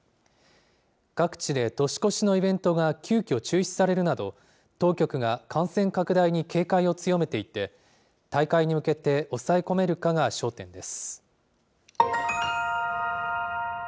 各地で年越しのイベントが急きょ中止されるなど、当局が感染拡大に警戒を強めていて、大会に向けて抑え込めるかが焦点です。